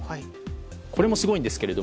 これもすごいんですけど